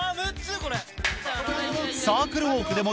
これ。